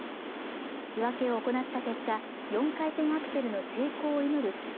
仕分けを行った結果４回転アクセルの成功を祈る